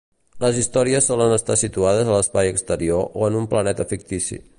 Les històries solen estar situades a l'espai exterior o en un planeta fictici.